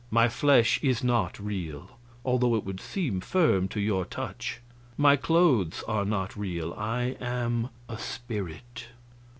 My flesh is not real, although it would seem firm to your touch; my clothes are not real; I am a spirit.